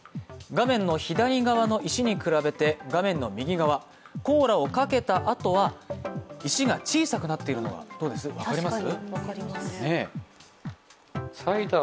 画面の左側の石に比べて画面の右側、コーラをかけたあとは、石が小さくなっているのが分かります？